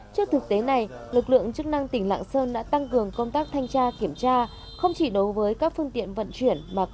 trước thực tế này lực lượng chức năng tỉnh lạng sơn đã tăng cường công tác thanh tra kiểm tra không chỉ đối với các phương tiện vận chuyển mà còn